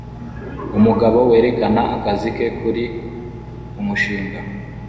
Umugabo werekana akazi ke kuri umushinga